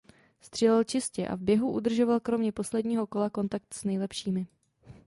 Střílel čistě a v běhu udržoval kromě posledního kola kontakt s nejlepšími.